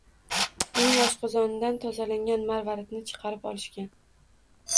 Uning oshqozonidan tozalangan marvaridni chiqarib olishgan.